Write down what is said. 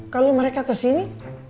kalau mereka kesini